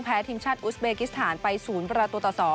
ทีมชาติอุสเบกิสถานไป๐ประตูต่อ๒